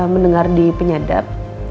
mendengar di penyedap